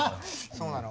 そうなの。